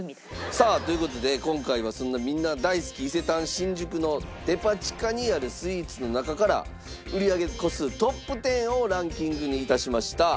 さあという事で今回はそんなみんな大好き伊勢丹新宿のデパ地下にあるスイーツの中から売り上げ個数ＴＯＰ１０をランキングに致しました。